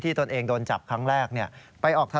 ที่ตนเองโดนจับครั้งแรกไปออกแนะการแบบนี้